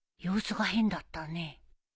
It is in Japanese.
様子が変だったね